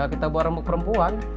ya kita buat rempuk perempuan